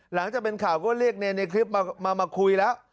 หลังจากเป็นข่าวก็เรียกเนรในคลิปมาคุยแล้ว